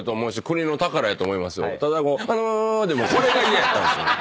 ただこれが嫌やったんですよ。